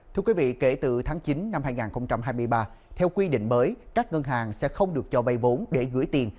thưa quý vị kể từ tháng chín năm hai nghìn hai mươi ba theo quy định mới các ngân hàng sẽ không được cho vay vốn để gửi tiền